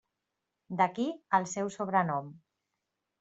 D'aquí el seu sobrenom.